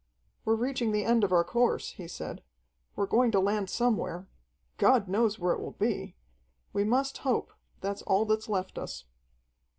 "We're reaching the end of our course," he said. "We're going to land somewhere. God knows where it will be. We must hope that's all that's left us."